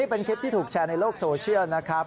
เป็นคลิปที่ถูกแชร์ในโลกโซเชียลนะครับ